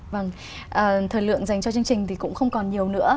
vâng thời lượng dành cho chương trình thì cũng không còn nhiều nữa